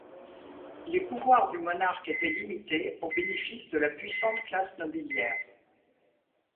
Les pouvoirs du monarque étaient limités au bénéfice de la puissante classe nobiliaire.